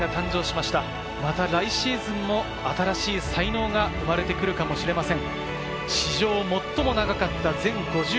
また来シーズンも新しい才能が生まれてくるかもしれません。